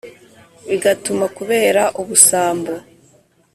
Bigatumba kubera ubusambo